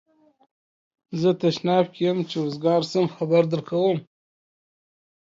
زه تشناب کی یم چی اوزګار شم خبر درکوم